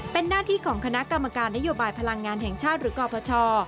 เป็นหน้าที่ของคณะกรรมการนโยบายพลังงานแห่งชาติหรือกรพช